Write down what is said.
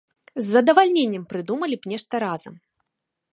З задавальненнем прыдумалі б нешта разам.